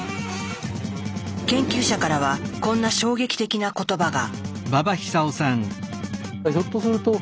研究者からはこんな衝撃的な言葉が。